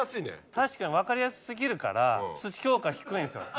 確かに分かりやす過ぎるから評価低いんですよ